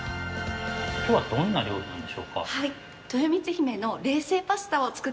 今日はどんな料理なんでしょうか？